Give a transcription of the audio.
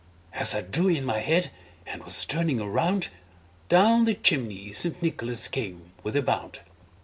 As I drew in my head, and was turning around, Down the chimney St. Nicholas came with a bound.